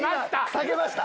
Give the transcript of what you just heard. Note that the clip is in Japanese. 下げました。